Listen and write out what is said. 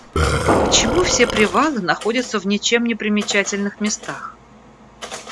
Почему все привалы находятся в ничем непримечательных местах?